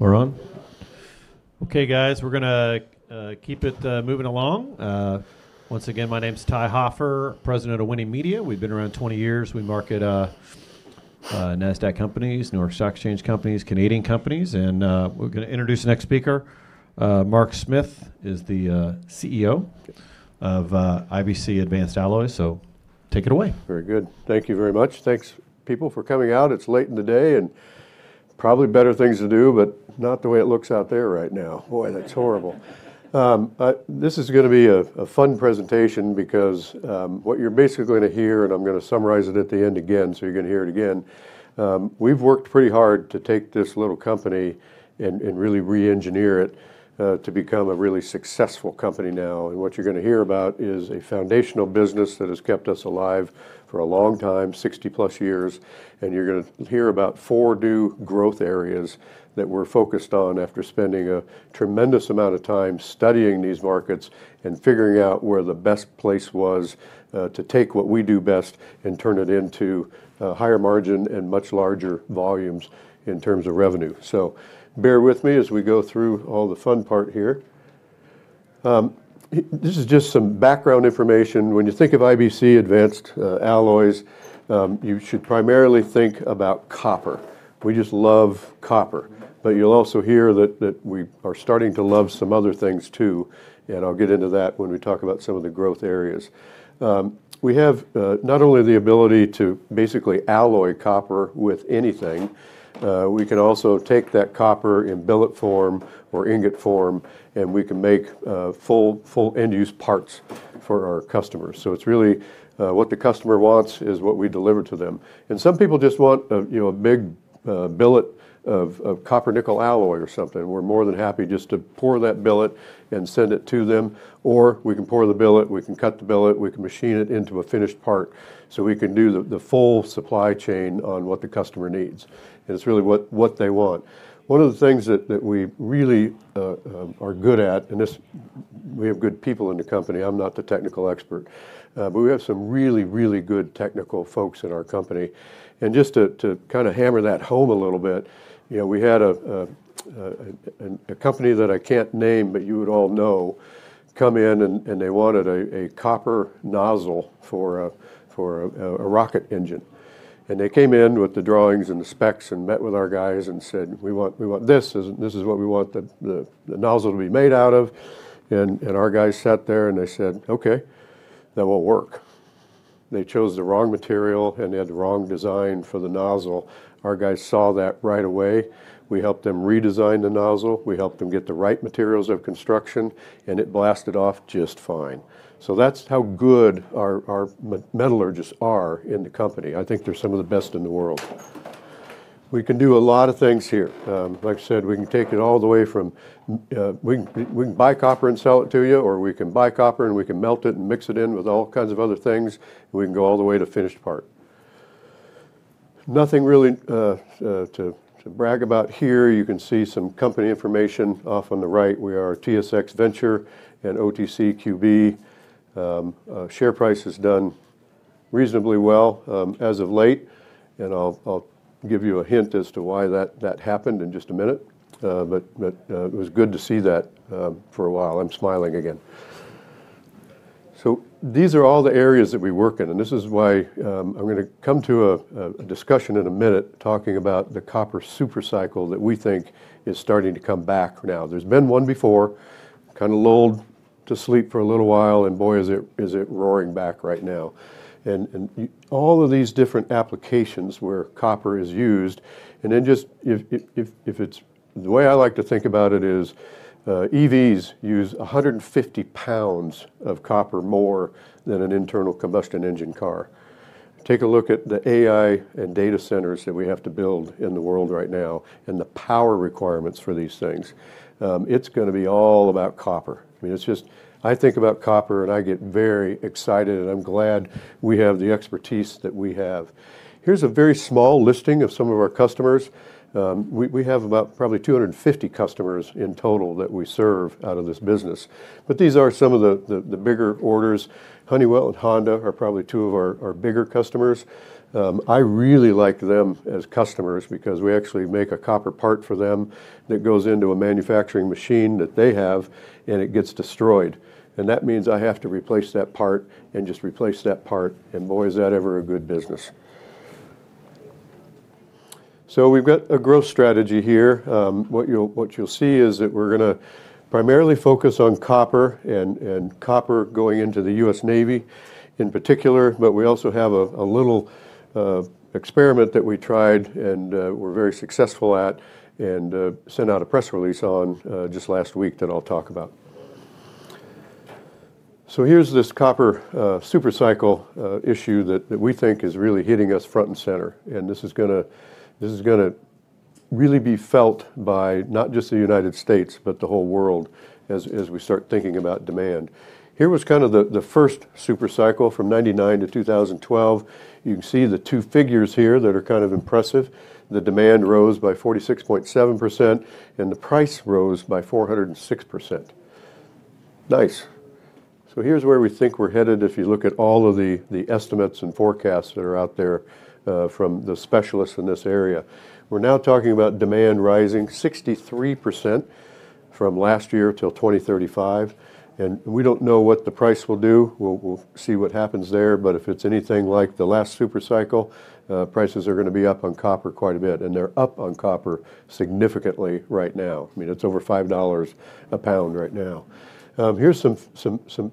We're on. Okay, guys, we're going to keep it moving along. Once again, my name is Ty Hoffer, President of Winning Media. We've been around 20 years. We market NASDAQ companies, New York Stock Exchange companies, Canadian companies. We're going to introduce the next speaker. Mark Smith is the CEO of IBC Advanced Alloys. Take it away. Very good. Thank you very much. Thanks, people, for coming out. It's late in the day and probably better things to do, not the way it looks out there right now. Boy, that's horrible. This is going to be a fun presentation because what you're basically going to hear, and I'm going to summarize it at the end again, you're going to hear it again. We've worked pretty hard to take this little company and really re-engineer it to become a really successful company now. What you're going to hear about is a foundational business that has kept us alive for a long time, 60+ years. You're going to hear about four new growth areas that we're focused on after spending a tremendous amount of time studying these markets and figuring out where the best place was to take what we do best and turn it into higher margin and much larger volumes in terms of revenue. Bear with me as we go through all the fun part here. This is just some background information. When you think of IBC Advanced Alloys, you should primarily think about copper. We just love copper. You'll also hear that we are starting to love some other things too. I'll get into that when we talk about some of the growth areas. We have not only the ability to basically alloy copper with anything, we can also take that copper in billet form or ingot form, and we can make full end-use parts for our customers. It's really what the customer wants is what we deliver to them. Some people just want a big billet of Copper-Nickel Alloy or something. We're more than happy just to pour that billet and send it to them. We can pour the billet, we can cut the billet, we can machine it into a finished part. We can do the full supply chain on what the customer needs. It's really what they want. One of the things that we really are good at, and we have good people in the company. I'm not the technical expert, but we have some really, really good technical folks at our company. Just to kind of hammer that home a little bit, we had a company that I can't name, but you would all know, come in and they wanted a Copper Nozzle for a Rocket Engine. They came in with the drawings and the specs and met with our guys and said, "We want this. This is what we want the nozzle to be made out of." Our guys sat there and they said, "Okay, that won't work." They chose the wrong material and they had the wrong design for the nozzle. Our guys saw that right away. We helped them redesign the nozzle. We helped them get the right materials of construction, and it blasted off just fine. That's how good our Metallurgists are in the company. I think they're some of the best in the world. We can do a lot of things here. Like I said, we can take it all the way from—we can buy copper and sell it to you, or we can buy copper and we can melt it and mix it in with all kinds of other things. We can go all the way to finished part. Nothing really to brag about here. You can see some company information off on the right. We are TSX Venture and OTCQB. Share price has done reasonably well as of late. I'll give you a hint as to why that happened in just a minute. It was good to see that for a while. I'm smiling again. These are all the areas that we work in. This is why I'm going to come to a discussion in a minute talking about the copper supercycle that we think is starting to come back now. There's been one before, kind of lulled to sleep for a little while, and boy, is it roaring back right now in all of these different applications where copper is used. The way I like to think about it is EVs use 150 lbs of copper more than an internal combustion engine car. Take a look at the AI and data centers that we have to build in the world right now and the power requirements for these things. It's going to be all about copper. I mean, I think about copper and I get very excited and I'm glad we have the expertise that we have. Here's a very small listing of some of our customers. We have about probably 250 customers in total that we serve out of this business, but these are some of the bigger orders. Honeywell and Honda are probably two of our bigger customers. I really like them as customers because we actually make a copper part for them that goes into a manufacturing machine that they have, and it gets destroyed. That means I have to replace that part and just replace that part, and boy, is that ever a good business. We've got a growth strategy here. What you'll see is that we're going to primarily focus on copper and copper going into the U.S. Navy in particular. We also have a little experiment that we tried and were very successful at and sent out a press release on just last week that I'll talk about. Here's this copper supercycle issue that we think is really hitting us front and center. This is going to. Really be felt by not just the United States, but the whole world as we start thinking about demand. Here was kind of the 1st supercycle from 1999-2012. You can see the two figures here that are kind of impressive. The demand rose by 46.7% and the price rose by 406%. Nice. Here is where we think we're headed if you look at all of the estimates and forecasts that are out there from the specialists in this area. We're now talking about demand rising 63% from last year till 2035. We don't know what the price will do. We'll see what happens there. If it's anything like the last supercycle, prices are going to be up on copper quite a bit. They're up on copper significantly right now. I mean, it's over $5 a lbs right now. Here are some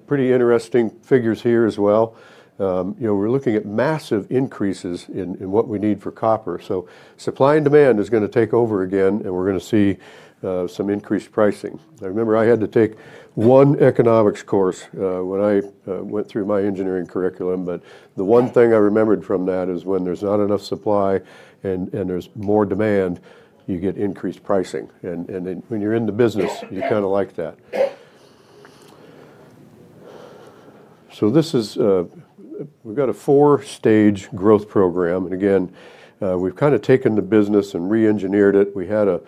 pretty interesting figures here as well. We're looking at massive increases in what we need for copper. Supply and Demand is going to take over again, and we're going to see some increased pricing. I remember I had to take one economics course when I went through my engineering curriculum. The one thing I remembered from that is when there's not enough supply and there's more demand, you get increased pricing. When you're in the business, you kind of like that. We've got a four-stage growth program. Again, we've kind of taken the business and re-engineered it. We had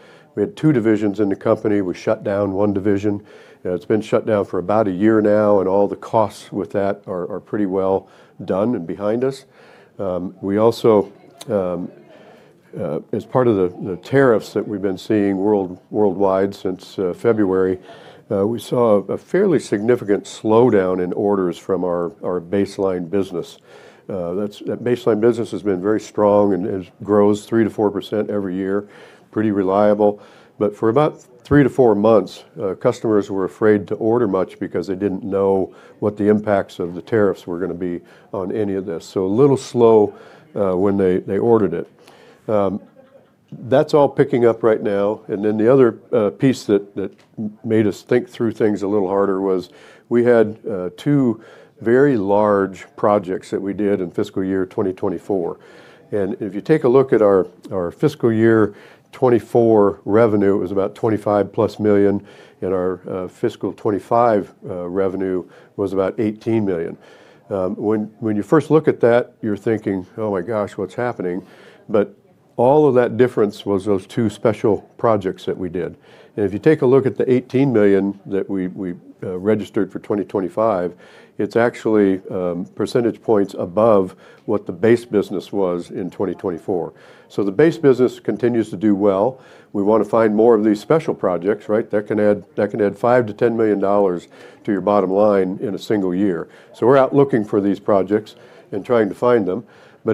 two divisions in the company. We shut down one division. It's been shut down for about a year now, and all the costs with that are pretty well done and behind us. As part of the tariffs that we've been seeing worldwide since February, we saw a fairly significant slowdown in orders from our baseline business. That baseline business has been very strong and grows 3%-4% every year, pretty reliable. For about three to four months, customers were afraid to order much because they didn't know what the impacts of the tariffs were going to be on any of this. A little slow when they ordered it. That's all picking up right now. The other piece that made us think through things a little harder was we had two very large projects that we did in fiscal year 2024. If you take a look at our fiscal year 2024 revenue, it was about $25+ million. Our fiscal 2025 revenue was about $18 million. When you first look at that, you're thinking, "Oh my gosh, what's happening?" All of that difference was those two special projects that we did. If you take a look at the $18 million that we registered for 2025, it's actually percentage points above what the base business was in 2024. The base business continues to do well. We want to find more of these special projects that can add $5-$10 million to your bottom line in a single year. We are out looking for these projects and trying to find them.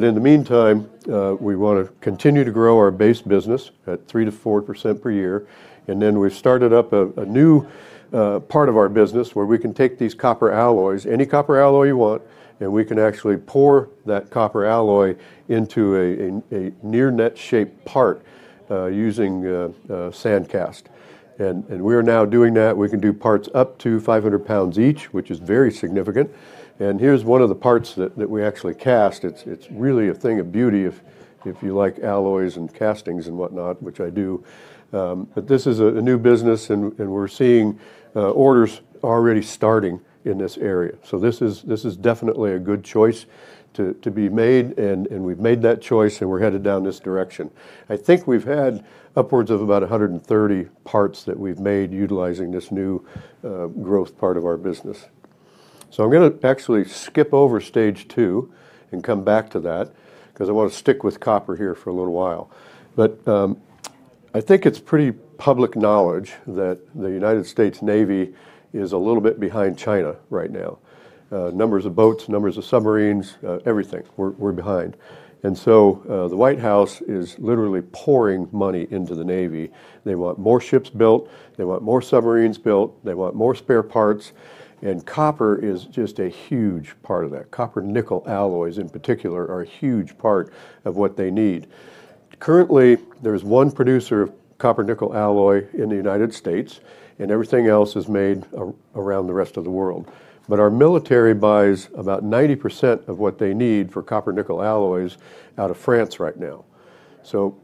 In the meantime, we want to continue to grow our base business at 3%-4% per year. We have started up a new part of our business where we can take these copper alloys, any copper alloy you want, and we can actually pour that copper alloy into a near net-shaped part using Sand cast. We are now doing that. We can do parts up to 500 lbs each, which is very significant. Here is one of the parts that we actually cast. It's really a thing of beauty if you like alloys and castings and whatnot, which I do. This is a new business, and we're seeing orders already starting in this area. This is definitely a good choice to be made. We have made that choice, and we're headed down this direction. I think we've had upwards of about 130 parts that we've made utilizing this new growth part of our business. I'm going to actually skip over stage two and come back to that because I want to stick with copper here for a little while. I think it's pretty public knowledge that the U.S. Navy is a little bit behind China right now. Numbers of boats, numbers of submarines, everything. We're behind. The White House is literally pouring money into the Navy. They want more ships built. They want more submarines built. They want more spare parts. Copper is just a huge part of that. Copper-Nickel Alloys in particular are a huge part of what they need. Currently, there's one producer of Copper-Nickel Alloy in the United States, and everything else is made around the rest of the world. Our military buys about 90% of what they need for Copper-Nickel Alloys out of France right now.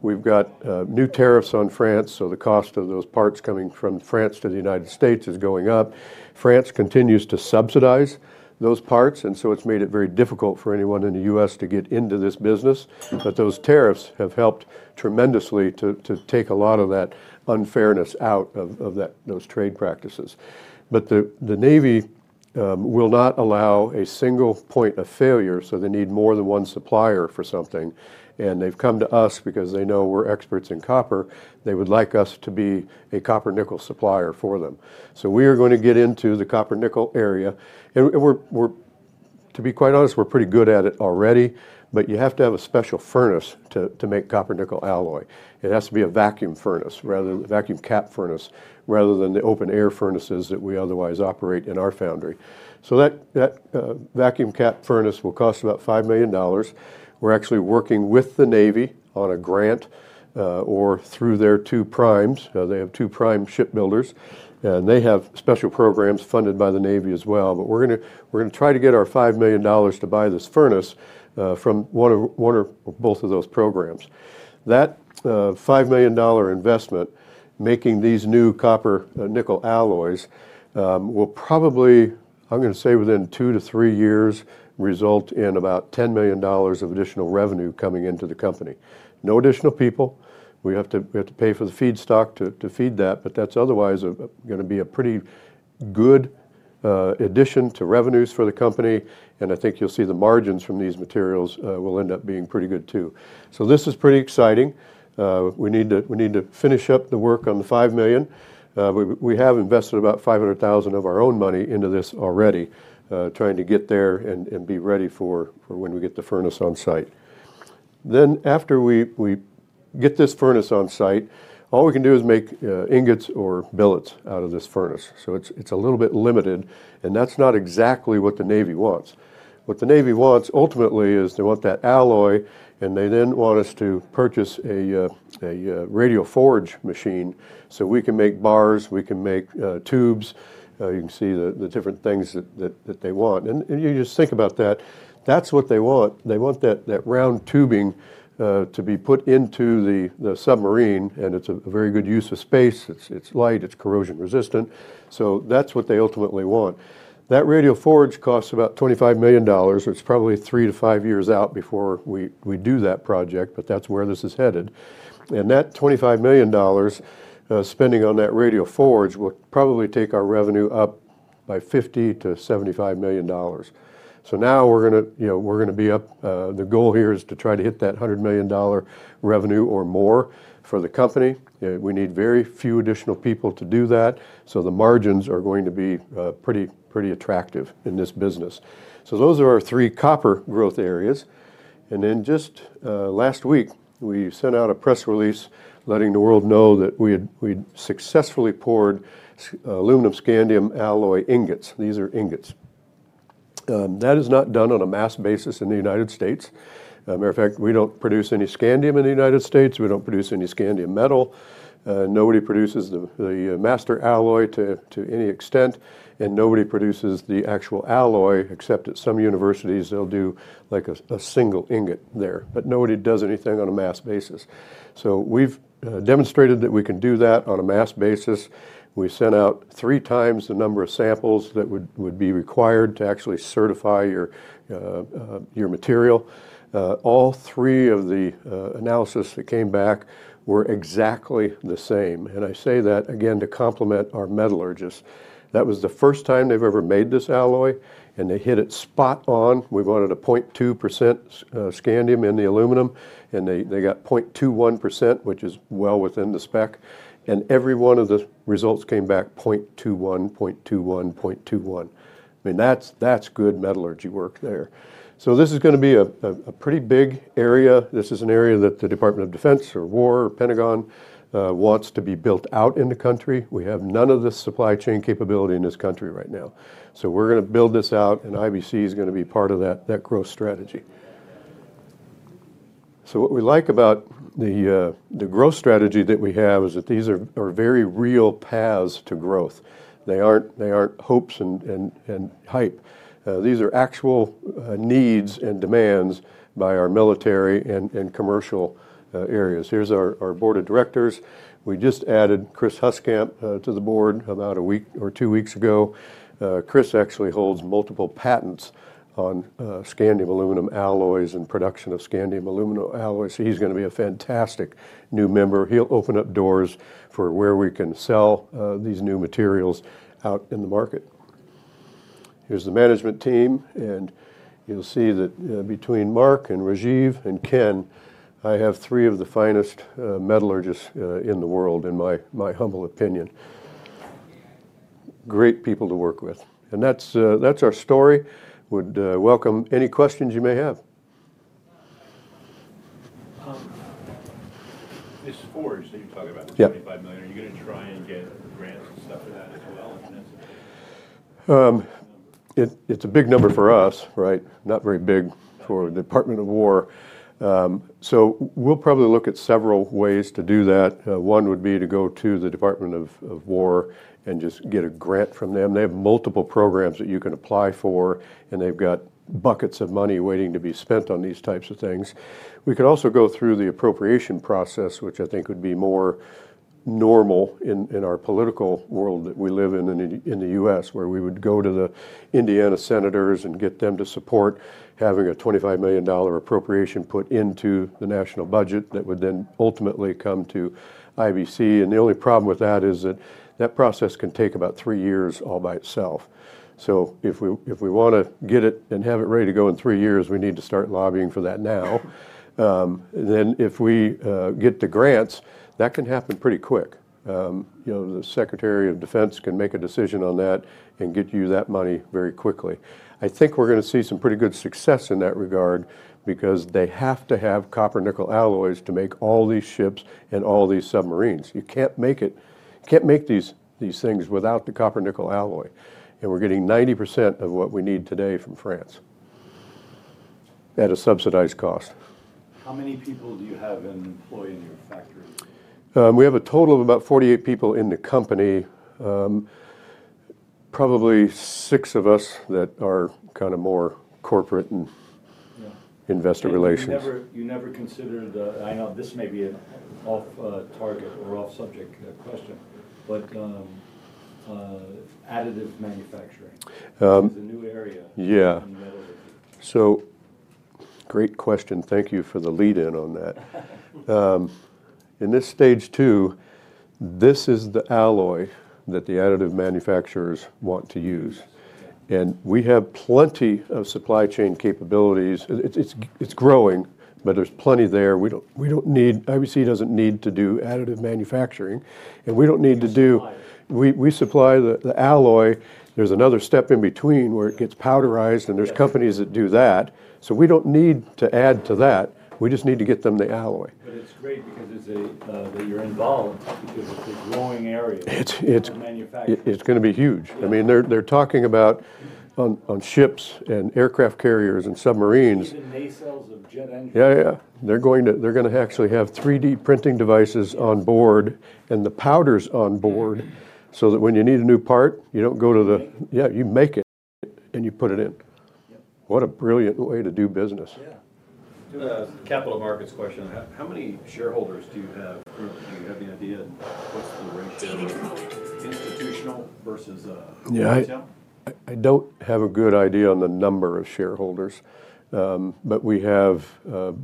We have got new tariffs on France, so the cost of those parts coming from France to the United States is going up. France continues to subsidize those parts, and it's made it very difficult for anyone in the U.S. to get into this business. Those tariffs have helped tremendously to take a lot of that unfairness out of those trade practices. The Navy will not allow a single point of failure. They need more than one supplier for something. They've come to us because they know we're experts in copper. They would like us to be a copper-nickel supplier for them. We are going to get into the copper-nickel area. To be quite honest, we're pretty good at it already. You have to have a special furnace to make Copper-Nickel Alloy. It has to be a Vacuum Cap Furnace, rather than the open air furnaces that we otherwise operate in our foundry. That Vacuum Cap Furnace will cost about $5 million. We're actually working with the Navy on a grant or through their two primes. They have two prime shipbuilders, and they have special programs funded by the Navy as well. We're going to try to get our $5 million to buy this furnace from one or both of those programs. That $5 million investment, making these new Copper-Nickel Alloys, will probably, I'm going to say within two to three years, result in about $10 million of additional revenue coming into the company. No additional people. We have to pay for the feed stock to feed that, but that's otherwise going to be a pretty good addition to revenues for the company. I think you'll see the margins from these materials will end up being pretty good too. This is pretty exciting. We need to finish up the work on the $5 million. We have invested about $500,000 of our own money into this already, trying to get there and be ready for when we get the furnace on site. After we get this furnace on site, all we can do is make ingots or billets out of this furnace. It's a little bit limited. That's not exactly what the Navy wants. What the Navy wants ultimately is they want that alloy, and they then want us to purchase a Radial Forge Machine so we can make bars. We can make tubes. You can see the different things that they want. You just think about that. That's what they want. They want that round tubing to be put into the submarine. It's a very good use of space. It's light. It's corrosion resistant. That's what they ultimately want. That radio forge costs about $25 million. It's probably three to five years out before we do that project, but that's where this is headed. That $25 million spending on that radio forge will probably take our revenue up by $50-$75 million. Now we're going to be up. The goal here is to try to hit that $100 million revenue or more for the company. We need very few additional people to do that. The margins are going to be pretty attractive in this business. Those are our three copper growth areas. Just last week, we sent out a press release letting the world know that we successfully poured aluminum-scandium alloy ingots. These are ingots that are not done on a mass basis in the United States. As a matter of fact, we don't produce any scandium in the United States. We don't produce any scandium metal. Nobody produces the master alloy to any extent, and nobody produces the actual alloy, except at some universities, they'll do like a single ingot there. Nobody does anything on a mass basis. We have demonstrated that we can do that on a mass basis. We sent out three times the number of samples that would be required to actually certify your material. All three of the analyses that came back were exactly the same. I say that again to complement our Metallurgists. That was the 1st time they've ever made this alloy, and they hit it spot on. We wanted a 0.2% Scandium in the aluminum, and they got 0.21%, which is well within the spec. Every one of the results came back 0.21, 0.21, 0.21. That's good metallurgy work there. This is going to be a pretty big area. This is an area that the Department of Defense or War or Pentagon wants to be built out in the country. We have none of the supply chain capability in this country right now. We're going to build this out, and IBC is going to be part of that growth strategy. What we like about the growth strategy that we have is that these are very real paths to growth. They aren't hopes and hype. These are actual needs and demands by our military and commercial areas. Here's our board of directors. We just added Chris Huskamp to the board about a week or two weeks ago. Chris actually holds multiple patents on Scandium-Aluminum Alloys and production of Scandium-Aluminum Alloys. He's going to be a fantastic new member. He'll open up doors for where we can sell these new materials out in the market. Here's the management team. You'll see that between Mark and Rajiv and Ken, I have three of the finest Metallurgists in the world, in my humble opinion. Great people to work with. That's our story. Would welcome any questions you may have. This forge that you're talking about, the $25 million, are you going to try and get grants and stuff for that as well? That's a big number. It's a big number for us, right? Not very big for the Department of Defense. We will probably look at several ways to do that. One would be to go to the Department of Defense and just get a grant from them. They have multiple programs that you can apply for, and they've got buckets of money waiting to be spent on these types of things. We could also go through the appropriation process, which I think would be more normal in our political world that we live in in the U.S., where we would go to the Indiana senators and get them to support having a $25 million appropriation put into the national budget that would then ultimately come to IBC. The only problem with that is that process can take about three years all by itself. If we want to get it and have it ready to go in three years, we need to start lobbying for that now. If we get the grants, that can happen pretty quick. The Secretary of Defense can make a decision on that and get you that money very quickly. I think we're going to see some pretty good success in that regard because they have to have Copper-Nickel Alloys to make all these ships and all these submarines. You can't make these things without the Copper-Nickel Alloy. We're getting 90% of what we need today from France at a subsidized cost. How many people do you have employed in your factory? We have a total of about 48 people in the company, probably six of us that are kind of more corporate and investor relations. You never considered, I know this may be an off-target or off-subject question, but additive manufacturing. It's a new area. Yeah. Great question. Thank you for the lead-in on that. In this stage two, this is the alloy that the additive manufacturers want to use. We have plenty of supply chain capabilities. It's growing, but there's plenty there. IBC doesn't need to do additive manufacturing. We don't need to do it. We supply the alloy. There's another step in between where it gets powderized, and there's companies that do that. We don't need to add to that. We just need to get them the alloy. It's great because you're involved because it's a growing area. It's going to be huge. I mean, they're talking about on Ships and Aircraft Carriers and Submarines. These are nacelles of jet engines. Yeah, yeah. They're going to actually have 3D printing devices on board and the powders on board so that when you need a new part, you don't go to the, yeah, you make it and you put it in. What a brilliant way to do business. Yeah. Capital markets question. How many shareholders do you have? Do you have any idea what's the ratio of institutional versus retail? I don't have a good idea on the number of shareholders. We have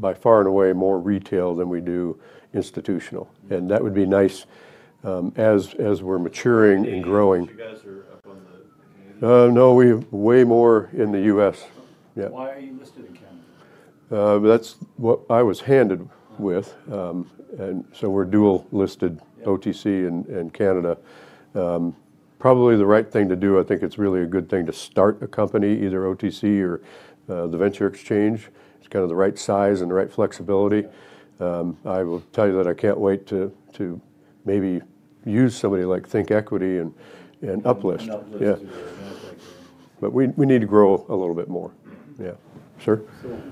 by far and away more retail than we do institutional. That would be nice as we're maturing and growing. You guys are up on the Canadian? No, we have way more in the U.S. Why are you listed in Canada? That's what I was handed with. We're dual-listed, OTC and Canada. Probably the right thing to do. I think it's really a good thing to start a company, either OTC or the venture exchange. It's kind of the right size and the right flexibility. I will tell you that I can't wait to maybe use somebody like Think Equity and Uplift. We need to grow a little bit more. Yeah. Sure.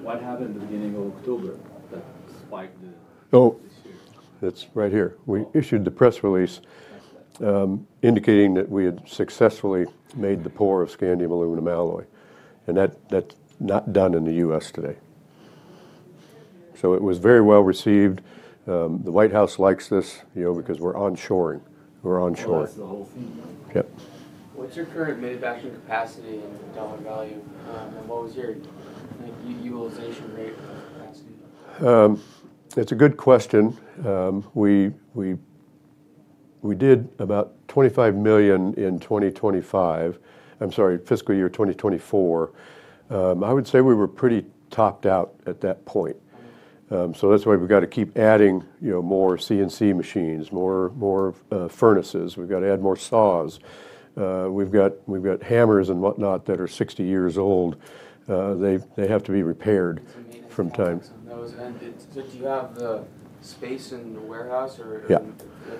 What happened at the beginning of October that spiked this year? Oh, that's right here. We issued the press release indicating that we had successfully made the pour of Scandium Aluminum Alloy. That's not done in the U.S. today. It was very well received. The White House likes this because we're onshoring. We're onshoring. That's the whole theme. What's your current manufacturing capacity in dollar value? What was your utilization rate of capacity? That's a good question. We did about $25 million in 2025. I'm sorry, fiscal year 2024. I would say we were pretty topped out at that point. That's why we've got to keep adding more CNC machines, more furnaces. We've got to add more saws. We've got hammers and whatnot that are 60 years old. They have to be repaired from time. Do you have the space in the warehouse or the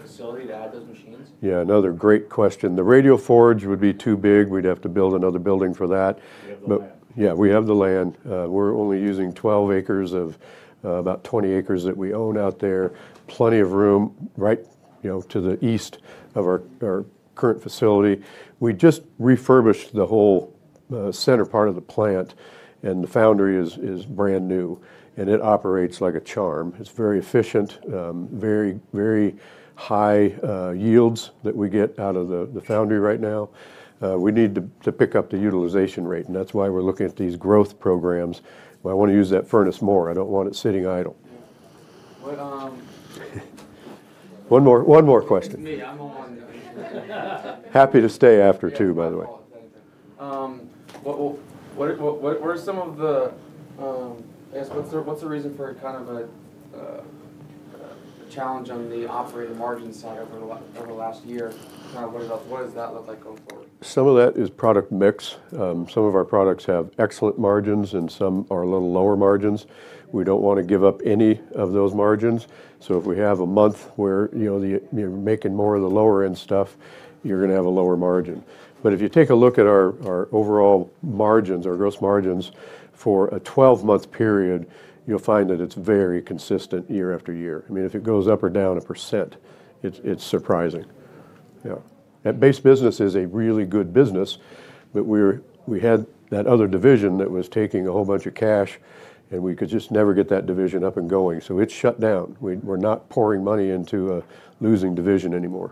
facility to add those machines? Yeah. Another great question. The radio forge would be too big. We'd have to build another building for that. We have the land. We're only using 12 acres of about 20 acres that we own out there. Plenty of room right to the east of our current facility. We just refurbished the whole center part of the plant, and the foundry is brand new. It operates like a charm. It's very efficient, very high yields that we get out of the foundry right now. We need to pick up the utilization rate. That's why we're looking at these growth programs. I want to use that furnace more. I don't want it sitting idle. One more question. Happy to stay after too, by the way. What are some of the, I guess, what's the reason for kind of a challenge on the operating margin side over the last year? What does that look like going forward? Some of that is product mix. Some of our products have excellent margins, and some are a little lower margins. We don't want to give up any of those margins. If we have a month where you're making more of the lower-end stuff, you're going to have a lower margin. If you take a look at our overall margins, our gross margins for a 12-month period, you'll find that it's very consistent year after year. If it goes up or down a percent, it's surprising. At Base Business is a really good business. We had that other division that was taking a whole bunch of cash, and we could just never get that division up and going. It's shut down. We're not pouring money into a losing division anymore.